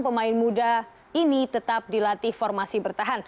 pemain muda ini tetap dilatih formasi bertahan